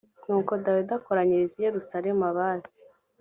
nuko dawidi akoranyiriza i yerusalemu abaz